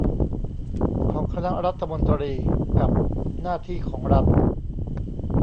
ของคณะรัฐมนตรีกับหน้าที่ของรัฐ